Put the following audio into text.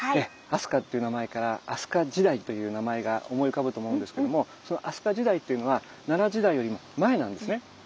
「明日香」っていう名前から飛鳥時代という名前が思い浮かぶと思うんですけども飛鳥時代っていうのは奈良時代よりも前なんですね。